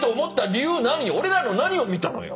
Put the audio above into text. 俺らの何を見たのよ？